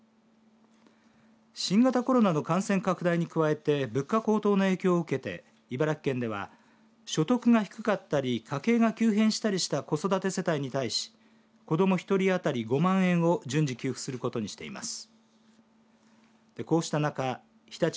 新型コロナの感染拡大に加えて物価高騰の影響を受けて茨城県では所得が低かったり家計が急変したりした子育て世帯に対し子ども１人当たり１万円を順次給付することにしています。